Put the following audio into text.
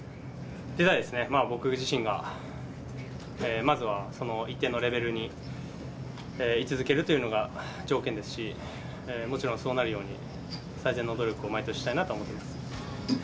僕自身が、まずはその一定のレベルに居続けるというのが条件ですし、もちろんそうなるように、最善の努力を毎年したいなとは思ってます。